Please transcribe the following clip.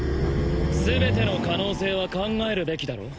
全ての可能性は考えるべきだろ？